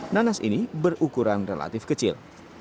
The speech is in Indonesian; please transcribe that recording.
nanas ini berukuran relatif kecil